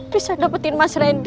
bisa dapetin mas randy